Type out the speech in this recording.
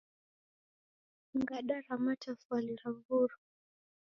Ngada ra matafwali rawurwa